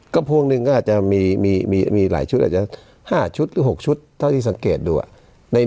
ก็พวกนึงก็อาจจะมีหลายชุดอาจจะห้าชุดหรือหกชุดถ้าที่สังเกตดูอ่ะ